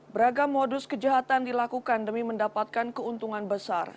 beragam modus kejahatan dilakukan demi mendapatkan keuntungan besar